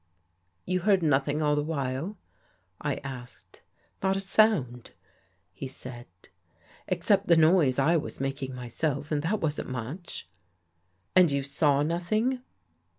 " You heard nothing all the while? " I asked. " Not a sound," he said, " except the noise I was making myself, and that wasn't much." " And you saw nothing?